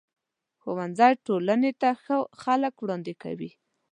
ښوونځی ټولنې ته ښه خلک وړاندې کوي.